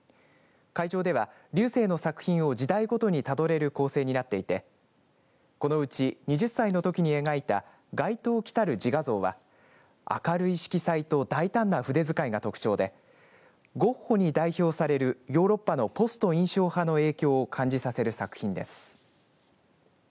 会場では、劉生の作品を時代ごとにたどれる構成になっていてこのうち２０歳のときに描いた外套着たる自画像は明るい色彩と大胆な筆づかいが特徴でゴッホに代表されるヨーロッパのポスト印象派の影響を感じさせる作品です。